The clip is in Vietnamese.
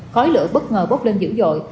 khói lửa bất ngờ bốc lên dữ dội